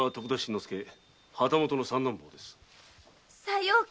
さようか。